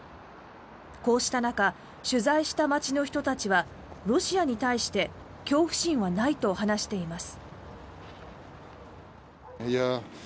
こうした中取材した街の人たちはロシアに対して恐怖心はないと話しています。